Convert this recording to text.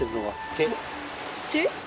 手？